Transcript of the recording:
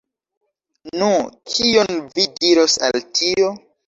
Nu, kion vi diros al tio?